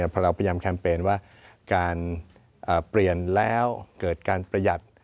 พอเราพยายามแคมเปญว่าการเปลี่ยนแล้วเกิดการประหยัด